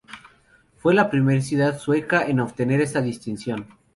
Fue la primera ciudad sueca en obtener esta distinción.